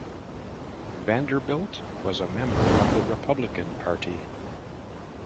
Vanderbilt was a member of the Republican Party.